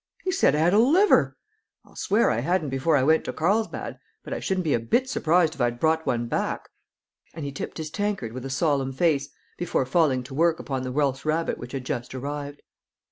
He said I had a liver! I'll swear I hadn't before I went to Carlsbad, but I shouldn't be a bit surprised if I'd brought one back." And he tipped his tankard with a solemn face, before falling to work upon the Welsh rarebit which had just arrived.